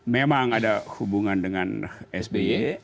memang ada hubungan dengan sby